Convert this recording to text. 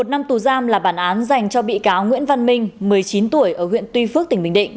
một năm tù giam là bản án dành cho bị cáo nguyễn văn minh một mươi chín tuổi ở huyện tuy phước tỉnh bình định